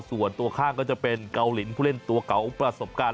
ส่วนตัวข้างก็จะเป็นเกาหลีผู้เล่นตัวเก่าประสบการณ์